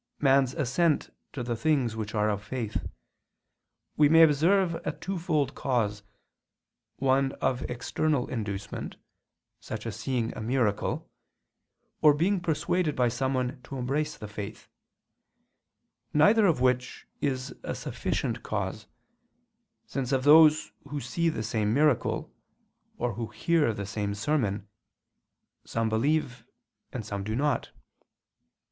man's assent to the things which are of faith, we may observe a twofold cause, one of external inducement, such as seeing a miracle, or being persuaded by someone to embrace the faith: neither of which is a sufficient cause, since of those who see the same miracle, or who hear the same sermon, some believe, and some do not.